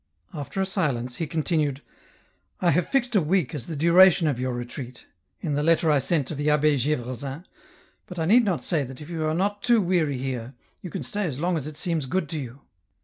" After a silence he continued :" I have fixed a week as the duration of your retreat, in the letter I sent to the Abbe Gdvresin, but I need not say that if you are not too weary here, you can stay as long as seems good to you."